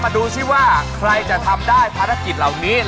ดูสิว่าใครจะทำได้ภารกิจเหล่านี้